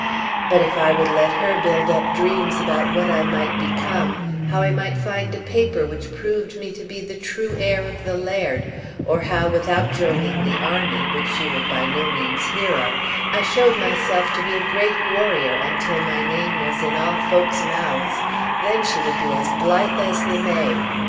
But if I would let her build up dreams about what I might become, how I might find a paper which proved me to be the true heir of the laird, or how, without joining the army, which she would by no means hear of, I showed myself to be a great warrior until my name was in all folks' mouths, then she would be as blithe as the May.